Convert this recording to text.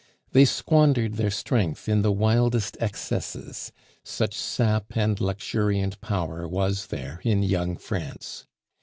They squandered their strength in the wildest excesses, such sap and luxuriant power was there in young France.